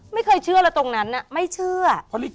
ไม่เคยเชื่อแล้วตรงนั้นไม่เชื่อ